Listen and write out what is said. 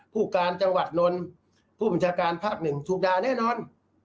ผู้การจังหวัดนนท์ผู้บัญชาการภาคหนึ่งถูกด่าแน่นอน